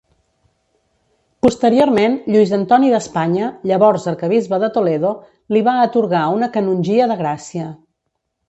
Posteriorment, Lluís Antoni d'Espanya, llavors arquebisbe de Toledo, li va atorgar una canongia de gràcia.